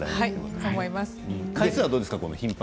回数はどうですか？